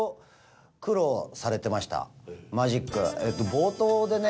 冒頭でね。